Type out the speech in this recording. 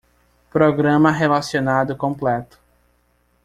Programa relacionado completo